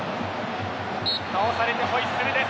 倒されてホイッスルです。